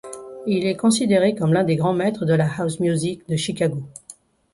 Il est considéré comme l'un des grands maîtres de la house music de Chicago.